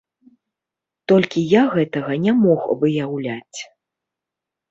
Толькі я гэтага не мог выяўляць.